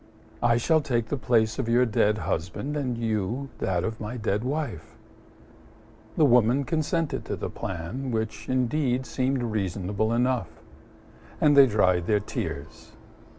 I shall take the place of your dead husband, and you, that of my dead wife." The Woman consented to the plan, which indeed seemed reasonable enough: and they dried their tears.